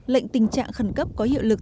lệnh tình trạng khẩn cấp có hiệu lực